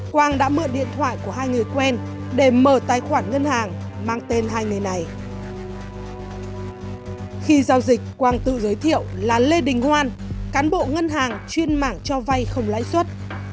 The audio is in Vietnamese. quang tự giới thiệu là lê đình hoan cán bộ ngân hàng chuyên mảng cho vay không lãi suất